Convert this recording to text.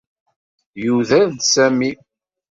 Yuder-d Sami.